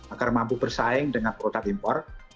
agar mampu bersaing dengan produk impor